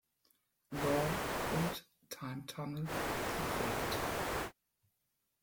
Law" und "Time Tunnel" geprägt.